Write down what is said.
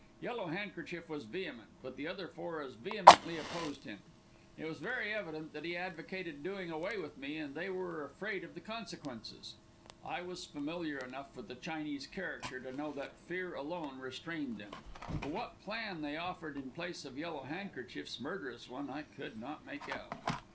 Yellow Handkerchief was vehement, but the other four as vehemently opposed him. It was very evident that he advocated doing away with me and they were afraid of the consequences. I was familiar enough with the Chinese character to know that fear alone restrained them. But what plan they offered in place of Yellow Handkerchief's murderous one, I could not make out.